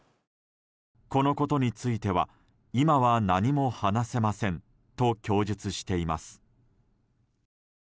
このことについては今は何も話せませんと供述しています。